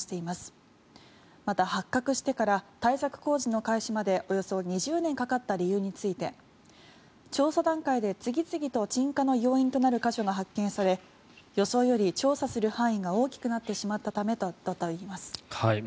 また、発覚してから対策工事の開始までおよそ２０年かかった理由について調査段階で次々と沈下の要因となる箇所が発見され予想より調査する範囲が大きくなってしまったためだといいます。